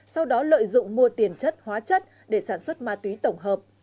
sau đó lợi dụng mua tiền chất hóa chất để sản xuất ma túy tổng hợp